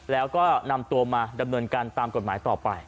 แล้วก็นำตัวมาดำเนินการตามกฎหมายต่อไป